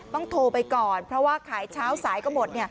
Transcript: โทรไปก่อนเพราะว่าขายเช้าสายก็หมด